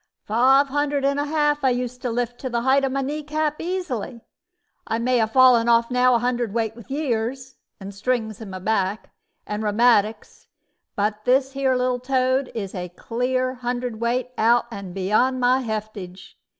"Five hundred and a half I used to lift to the height of my knee cap easily; I may 'a fallen off now a hundred weight with years, and strings in my back, and rheumatics; but this here little toad is a clear hundredweight out and beyond my heftage.